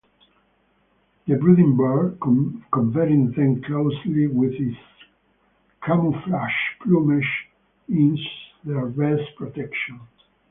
The brooding bird, covering them closely with its camouflage plumage, is their best protection.